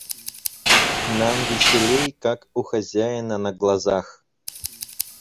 Нам веселей, как у хозяина на глазах...